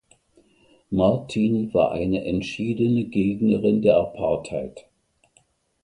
Martin war eine entschiedene Gegnerin der Apartheid.